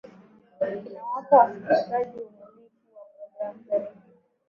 inawapa wasikilizaji umiliki wa programu za redio